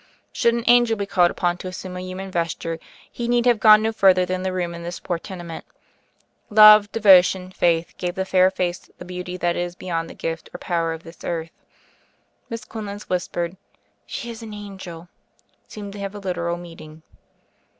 Should an angel be called upon to assume a human vesture, he need have gone no further than the room in this poor tenement. Love, devotion, faith, gave the fair face the beauty that is beyond the gift or power of this earth. Miss Quinlan's whis pered "She is an angel," seemed to have a literal meaning.